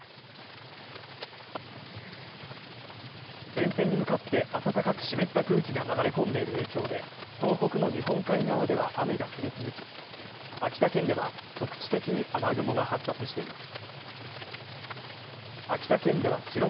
前線に向かって暖かく湿った空気が流れ込んでいる影響で東北の日本海側では雨が降り続き秋田県では局地的に雨雲が発達しています。